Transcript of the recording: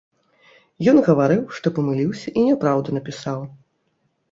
Ён гаварыў, што памыліўся і няпраўду напісаў.